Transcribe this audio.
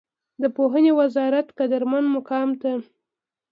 د پوهنې وزارت قدرمن مقام ته